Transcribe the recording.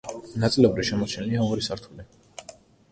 ნაწილობრივ შემორჩენილია ორი სართული.